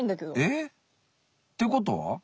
えっ？っていうことは？